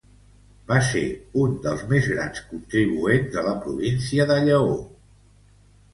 Va ser un dels més grans contribuents de la província de Lleó.